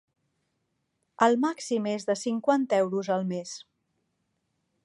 El màxim és de cinquanta euros al mes.